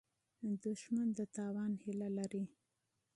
دښمن د تاوان هیله لري